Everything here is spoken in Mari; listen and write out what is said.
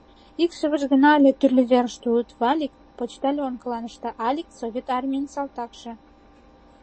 Икшывышт гына але тӱрлӧ верыште улыт: Валик почтальонкылан ышта, Алик — Совет Армийын салтакше.